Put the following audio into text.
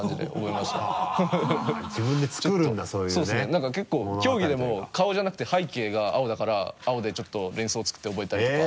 なんか結構競技でも顔じゃなくて背景が青だから青でちょっと連想作って覚えたりとか。